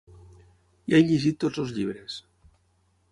Ja he llegit tots el llibres.